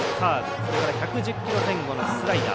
それから１１０キロ前後のスライダー。